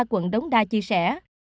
quận đống đa chia sẻ